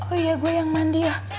oh iya gue yang mandi ya